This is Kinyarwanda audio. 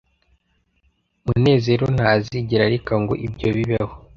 munezero ntazigera areka ngo ibyo bibeho